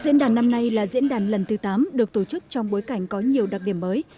diễn đàn năm nay là diễn đàn lần thứ tám được tổ chức trong bối cảnh có nhiều đặc điểm mới